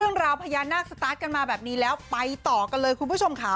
เรื่องราวพญานาคสตาร์ทกันมาแบบนี้แล้วไปต่อกันเลยคุณผู้ชมค่ะ